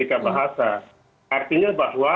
dalam ketiga bahasa artinya bahwa